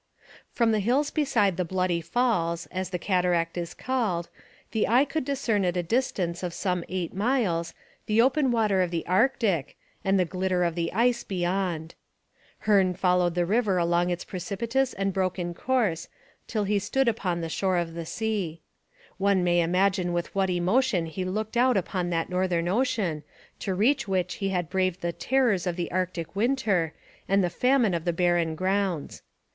From the hills beside the Bloody Falls, as the cataract is called, the eye could discern at a distance of some eight miles the open water of the Arctic and the glitter of the ice beyond. Hearne followed the river along its precipitous and broken course till he stood upon the shore of the sea. One may imagine with what emotion he looked out upon that northern ocean to reach which he had braved the terrors of the Arctic winter and the famine of the barren grounds.